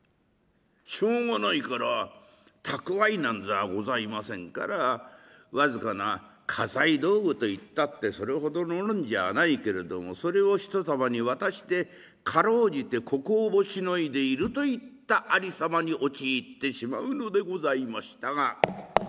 しょうがないから蓄えなんぞはございませんから僅かな家財道具と言ったってそれほどのもんじゃないけれどもそれを人様に渡して辛うじて糊口をしのいでいるといったありさまに陥ってしまうのでございましたが。